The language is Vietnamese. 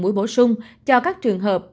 mũi bổ sung cho các trường hợp